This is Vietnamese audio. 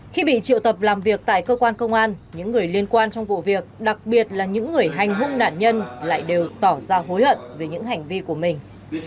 khi bị triệu tập làm việc tại cơ quan công an những người liên quan trong vụ việc đặc biệt là những người hành hung nạn nhân lại đều tỏ ra hối hận về những hành vi của mình